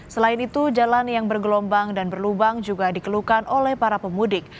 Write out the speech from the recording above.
selain itu jalan yang bergelombang dan berlubang juga dikeluhkan oleh para pemudik